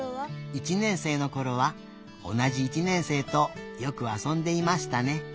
「１年生のころは同じ１年生とよく遊んでいましたね。